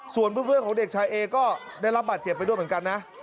ส่วนเพื่อนของเด็กชายเอก็ได้รับบาดเจ็บไปด้วยเหมือนกันนะ